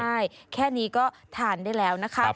ใช่แค่นี้ก็ทานได้แล้วนะคะ